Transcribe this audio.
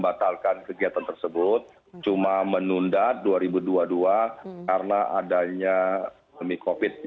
batalkan kegiatan tersebut cuma menunda dua ribu dua puluh dua karena adanya covid sembilan belas